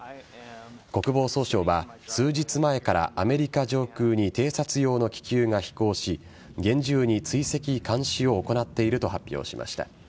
国防総省は数日前からアメリカ上空に偵察用の気球が飛行し厳重に追跡・監視を行っていると発表しました。